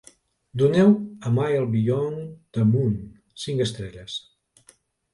Doneu a "A Mile Beyond the Moon" cinc estrelles